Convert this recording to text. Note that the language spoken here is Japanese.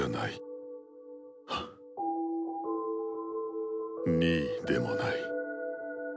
心の声２位でもない。